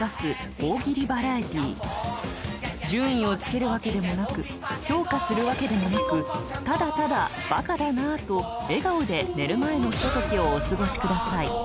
大喜利バラエティ順位をつけるわけでもなく評価するわけでもなくただただ「バカだなぁ」と笑顔で寝る前のひと時をお過ごしください